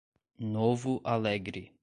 Novo Alegre